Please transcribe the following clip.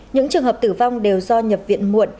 những trường hợp tử vong đều do nhập viện muộn